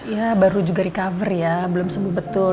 ya baru juga recover ya belum sembuh betul